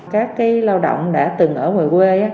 các cái lao động đã từng ở ngoài quê